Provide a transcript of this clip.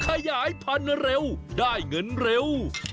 ขยายพันธุ์เร็วได้เงินเร็ว